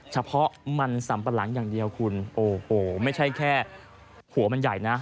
เฉพาะมันสัมปะหลังอย่างเดียวคุณโอ้โหไม่ใช่แค่หัวมันใหญ่นะ